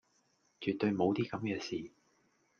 絕對無啲咁既事